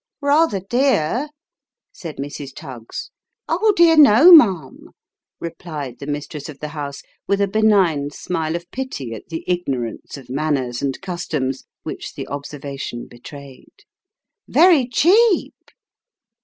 " Rather dear," said Mrs. Tuggs. 8 258 Sketches by Boz. " Oli dear, no, ma'am !" replied the mistress of tlie house, with a benign smile of pity at the ignorance of manners and customs, which the observation betrayed. " Very cheap